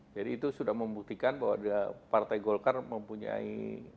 jadi itu sudah membuktikan bahwa partai golkar mempunyai